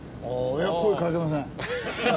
声かけません。